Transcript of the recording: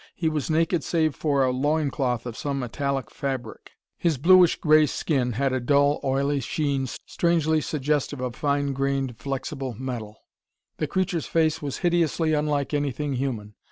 He was naked save for a loin cloth of some metallic fabric. His bluish gray skin had a dull oily sheen strangely suggestive of fine grained flexible metal. The creature's face was hideously unlike anything human.